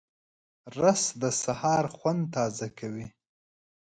رس د سهار خوند تازه کوي